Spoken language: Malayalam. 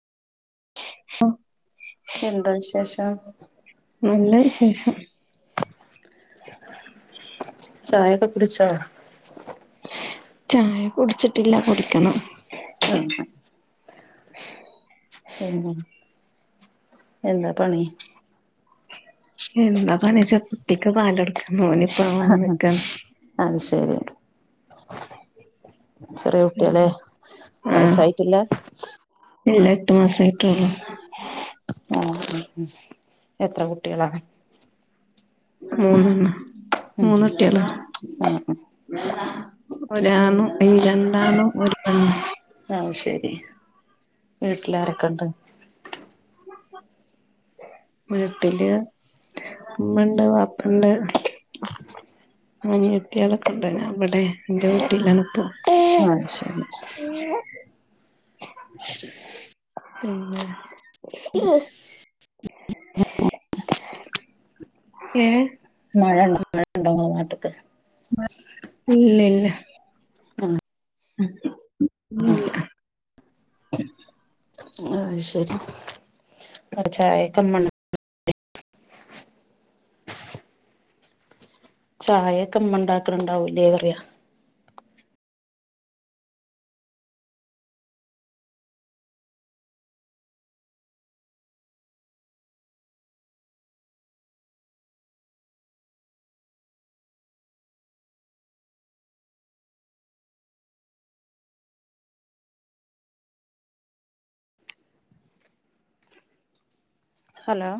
ആഹ [unintelligible] എന്ത വി ശേഷം നല്ല വി ശേഷം ചായൊക്കെ കുടിച്ചോ ചായ കുടിച്ചിട്ടില്ല കുടിക്കണം ആ ആ പിന്നെ എന്താ പണി എന്താ പണിച്ച കുട്ടിക്ക് പാലടുക്ക ആഹ അഹ് ശരി ചെറിയ കുട്ടയാലെ ആഹ് വയസായിട്ടില്ല ഇല്ല എട്ട് മാസായിട്ടുള്ളു ആ ഉ ഉ എത്ര കുട്ടികളാ മൂന്നണ ഉം മൂന്നു ട്ടിയളാ ആഹ് ആഹ് ഉം ഒരാണും ല്ല രണ്ടാ ണ്ടും ഒരു പെണ്ണു അഹ് ശരി വീട്ടിലാരൊക്കെണ്ട് വീട്ടില്ഉമ്മണ്ട് പാപ്പണ്ട് അനിയത്തിയേളക്കി ണ്ട് ഇവിടെ എൻ്റെ വീട്ടിലാ ആഹ ശരി ഉ ഏ മഴ ഉണ്ട മഴ ഉണ്ടും ന നാട്ടക്ക് മഴ'ഇല്ലല്ല ഉം ഉം ഇല്ല അ ഹ്ശരി പ ചായക്ക ചായൊക്കെ മ്മണ്ടാക്കുലണ്ടാവുംലേ റയാ ഹലോ